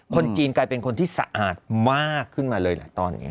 คนจีนกลายเป็นคนที่สะอาดมากขึ้นมาเลยล่ะตอนนี้